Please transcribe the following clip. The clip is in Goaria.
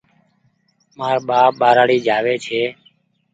مآر ٻآپ ٻآرآڙي جآوي ڇي